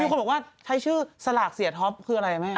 คนบอกว่าใช้ชื่อสลากเสียท็อปคืออะไรแม่